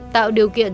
tạo điều kiện